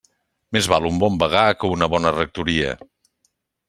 Més val un bon vagar que una bona rectoria.